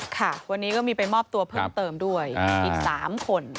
ค่ะวันนี้ก็มีไปมอบตัวเพิ่มเติมด้วยอีก๓คน